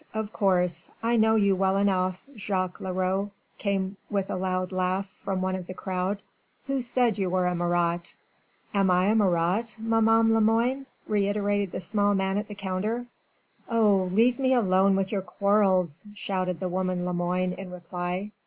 Of course I know you well enough, Jacques Leroux," came with a loud laugh from one of the crowd. "Who said you were a Marat?" "Am I a Marat, maman Lemoine?" reiterated the small man at the counter. "Oh! leave me alone with your quarrels," shouted the woman Lemoine in reply.